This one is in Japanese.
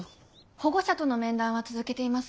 保護者との面談は続けています。